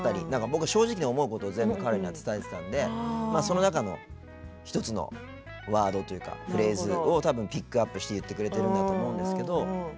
僕、正直に思うことを全部彼には伝えてたのでその中の１つのワードというかフレーズをピックアップして言ってくれてるんだと思うんですけど。